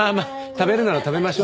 食べるなら食べましょ。